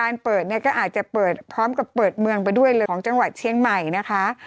เปิดเนี่ยก็อาจจะเปิดพร้อมกับเปิดเมืองไปด้วยเลยของจังหวัดเชียงใหม่นะคะ